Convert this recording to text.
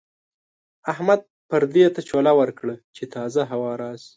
احمد پردې ته چوله ورکړه چې تازه هوا راشي.